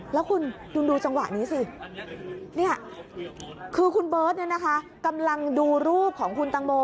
แล้วคุณดูจังหวะนี้สินี่คือคุณเบิร์ตกำลังดูรูปของคุณตังโม